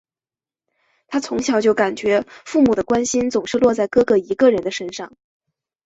她从小就感觉父母的关心总是落在哥哥一个人的身上。